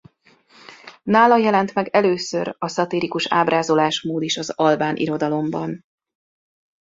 Nála jelent meg először a szatirikus ábrázolásmód is az albán irodalomban.